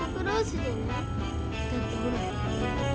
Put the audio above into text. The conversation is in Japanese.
だってほら。